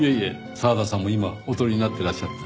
澤田さんも今お撮りになってらっしゃった。